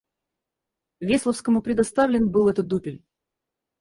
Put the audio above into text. Весловскому предоставлен был этот дупель.